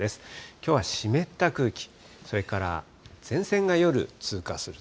きょうは湿った空気、それから前線が夜、通過する。